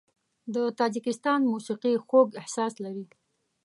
د تاجکستان موسیقي خوږ احساس لري.